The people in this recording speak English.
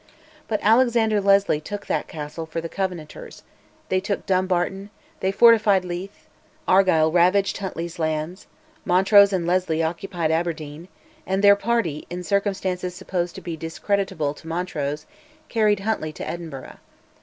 But Alexander Leslie took that castle for the Covenanters; they took Dumbarton; they fortified Leith; Argyll ravaged Huntly's lands; Montrose and Leslie occupied Aberdeen; and their party, in circumstances supposed to be discreditable to Montrose, carried Huntly to Edinburgh.